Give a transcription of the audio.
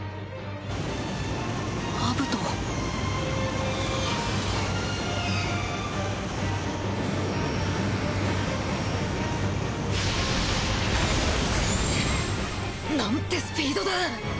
アブト。なんてスピードだ！